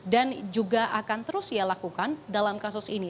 dan juga akan terus ia lakukan dalam kasus ini